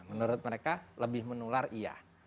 menurut mereka lebih menular iya